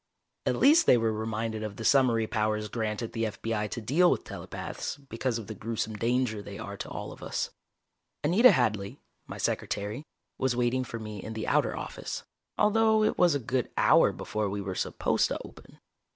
At least they were reminded of the summary powers granted the F.B.I. to deal with telepaths, because of the gruesome danger they are to all of us. Anita Hadley, my secretary, was waiting for me in the outer office, although it was a good hour before we were supposed to open.